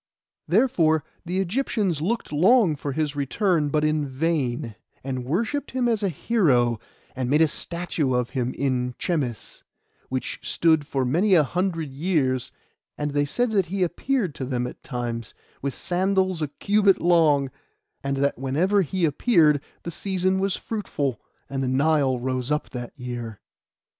Therefore the Egyptians looked long for his return, but in vain, and worshipped him as a hero, and made a statue of him in Chemmis, which stood for many a hundred years; and they said that he appeared to them at times, with sandals a cubit long; and that whenever he appeared the season was fruitful, and the Nile rose high that year.